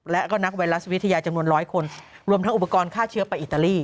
และก็นักไวรัสวิทยาจำนวนร้อยคนรวมทั้งอุปกรณ์ฆ่าเชื้อไปอิตาลี